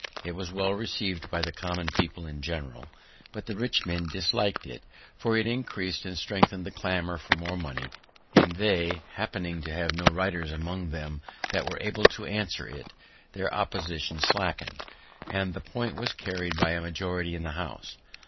It was well receiv'd by the common people in general; but the rich men dislik'd it, for it increas'd and strengthen'd the clamor for more money, and they happening to have no writers among them that were able to answer it, their opposition slacken'd, and the point was carried by a majority in the House.